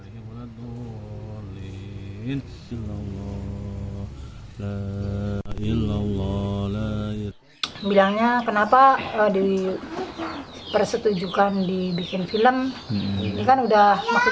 sebelum kejadian vina mengatakan bahwa dia tidak akan mencari teman lain untuk membuat film